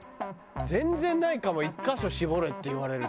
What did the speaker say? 全然ないかも１カ所絞れって言われると。